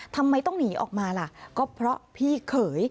ทำไมต้องหนีออกมาล่ะก็เพราะพี่เขย